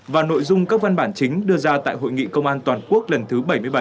và nội dung các văn bản chính đưa ra tại hội nghị công an toàn quốc lần thứ bảy mươi bảy